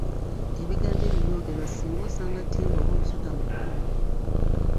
Ebigambo ebyo byogerwa singa osanga ttimba oba omusota mu kkubo.